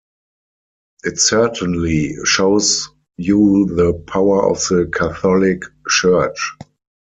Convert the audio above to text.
It certainly shows you the power of the Catholic Church.